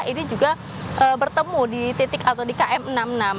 ini juga bertemu di titik atau di km enam puluh enam